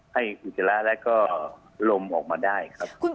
ให้อุจจระและก็ลมออกมาได้ครับ